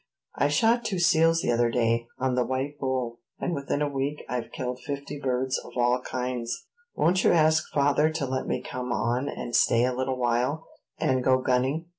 "I shot two seals the other day, on the White Bull; and within a week I've killed fifty birds, of all kinds." "Won't you ask father to let me come on and stay a little while, and go gunning?